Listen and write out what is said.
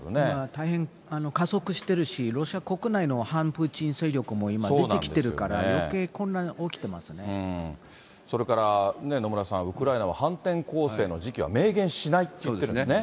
大変、加速してるし、ロシア国内の反プーチン勢力も今、出てきてるから、それから野村さん、ウクライナは反転攻勢の時期は明言しないって言ってるんですね。